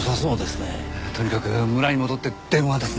とにかく村に戻って電話ですね。